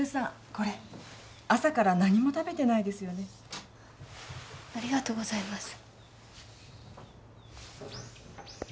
これ朝から何も食べてないですよねありがとうございます